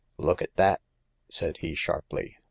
Look at that," said he, sharply.